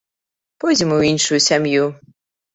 Пойдзем у іншую сям'ю.